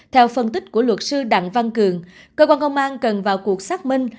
theo phân tích của luật sư đặng văn cường cơ quan công an cần vào cuộc xác minh